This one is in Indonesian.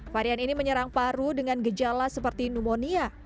varian ini menyerang paru dengan gejala seperti pneumonia